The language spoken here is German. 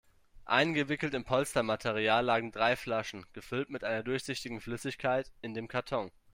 Eingewickelt in Polstermaterial lagen drei Flaschen, gefüllt mit einer durchsichtigen Flüssigkeit, in dem Karton.